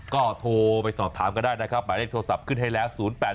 ก็โทรไปสอบถามก็ได้นะครับหมายเลขโทรศัพท์ขึ้นให้แล้ว๐๘๘